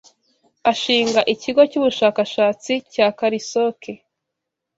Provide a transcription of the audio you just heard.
Ashinga ikigo cy’ubushakashatsi cya Karisoke